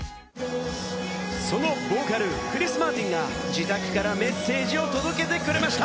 そのボーカル、クリス・マーティンが自宅からメッセージを届けてくれました。